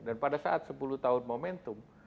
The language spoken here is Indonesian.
dan pada saat sepuluh tahun momentum